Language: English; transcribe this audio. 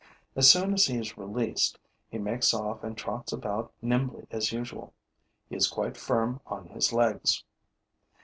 As soon as he is released, he makes off and trots about as nimbly as usual. He is quite firm on his legs.